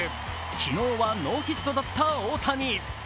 昨日はノーヒットだった大谷。